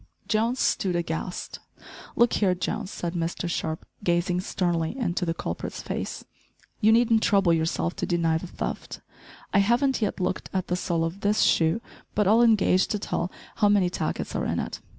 Jones stood aghast. "Look here, Jones," said Mr Sharp, gazing sternly into the culprit's face, "you needn't trouble yourself to deny the theft. I haven't yet looked at the sole of this shoe, but I'll engage to tell how many tackets are in it.